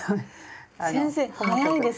先生速いですね。